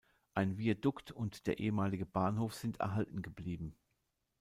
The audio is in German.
Ein Viadukt und der ehemalige Bahnhof sind erhalten geblieben.